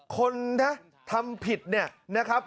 คนทำผิดเนี่ย